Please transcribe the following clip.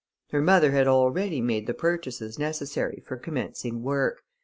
Her mother had already made the purchases necessary for commencing work.